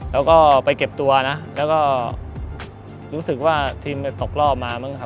แล้วก็ไปเก็บตัวนะแล้วก็รู้สึกว่าทีมตกรอบมามั้งครับ